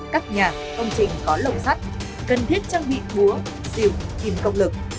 bốn các nhà công trình có lồng sắt cần thiết trang bị búa diều hình công lực